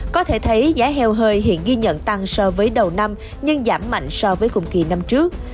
có thể thấy giá heo hơi hiện ghi nhận tăng so với đầu năm nhưng giảm mạnh so với cùng kỳ năm trước